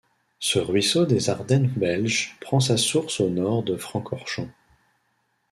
Ce ruisseau des Ardennes belges prend sa source au nord de Francorchamps.